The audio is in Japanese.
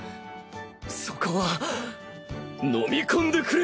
そこは飲み込んでくれ！